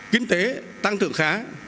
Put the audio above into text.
kinh tế tăng thưởng khá